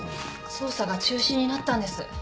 捜査が中止になったんです。